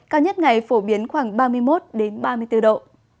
cao nhất ngày phổ biến khoảng ba mươi một ba mươi bốn độ